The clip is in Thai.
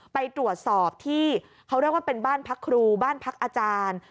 ไปตรวจสอบที่เขาเรียกว่าเป็นบ้านพักครูบ้านพักอาจารย์